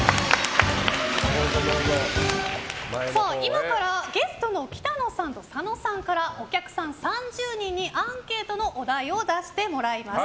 今からゲストの北乃さんと佐野さんからお客さん３０人にアンケートのお題を出してもらいます。